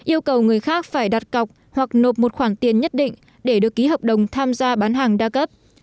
yêu cầu người khác phải đặt cọc hoặc nộp một khoản tiền nhất định để được ký hợp đồng tham gia bán hàng đa cấp